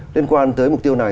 liên quan tới mục tiêu này